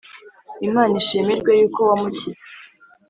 Imana ishimirwe yuko wamukize